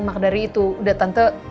makadari itu udah tante